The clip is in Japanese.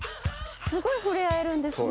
すごい触れ合えるんですね。